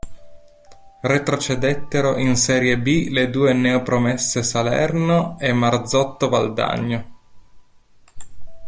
Retrocedettero in serie B le due neopromosse Salerno e Marzotto Valdagno.